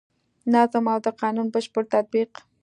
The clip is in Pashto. نظم او د قانون بشپړ تطبیق.